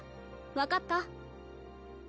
分かった。